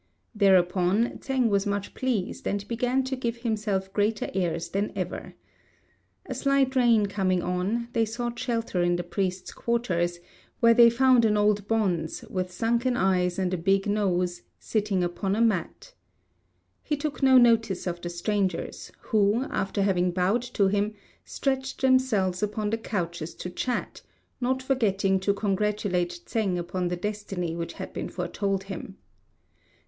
Thereupon Tsêng was much pleased, and began to give himself greater airs than ever. A slight rain coming on, they sought shelter in the priest's quarters, where they found an old bonze, with sunken eyes and a big nose, sitting upon a mat. He took no notice of the strangers, who, after having bowed to him, stretched themselves upon the couches to chat, not forgetting to congratulate Tsêng upon the destiny which had been foretold him.